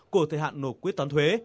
của thời hạn nộp quyết toán thuế